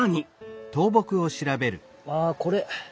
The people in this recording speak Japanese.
ああこれ。